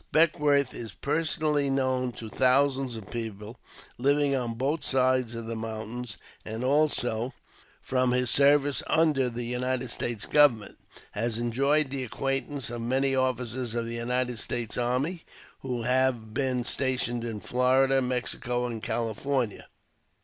Beckwourth is personally known to thousands of people *' living on both sides of the mountains," and also, from his service under the United States government, has en joyed the acquaintance of many officers of the United States Army, who have been stationed in Florida, Mexico, and California.